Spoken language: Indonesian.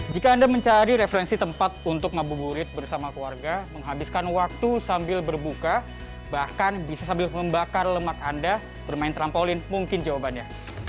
jika anda mencari referensi tempat untuk ngabuburit bersama keluarga menghabiskan waktu sambil berbuka bahkan bisa sambil membakar lemak anda bermain trampolin mungkin jawabannya